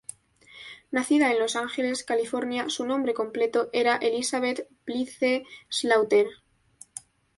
Nacida en Los Ángeles, California, su nombre completo era Elizabeth Blythe Slaughter.